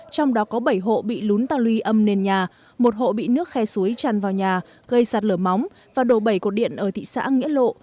trong đó có bảy hộ bị lún ta luy âm nền nhà một hộ bị nước khe suối tràn vào nhà gây sạt lở móng và đổ bẩy cột điện ở thị xã nghĩa lộ